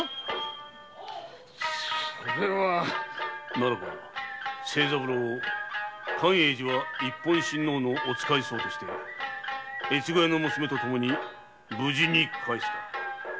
ならば清三郎を一品親王のお使い僧として越後屋の娘とともに無事に帰すか？